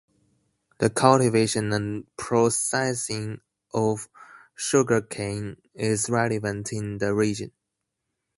The cultivation and processing of sugarcane is relevant in the region.